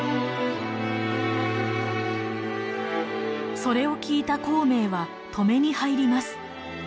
それを聞いた孔明は止めに入ります。